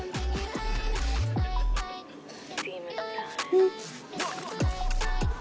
うん！